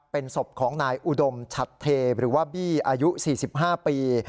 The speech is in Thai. เป็นศพของนายอุดมชัดเทหรือว่าบี้อายุ๔๕ปี